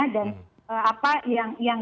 dan apa yang